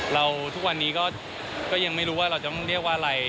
ทุกวันนี้ก็ยังไม่รู้ว่าเราจะต้องเรียกว่าอะไร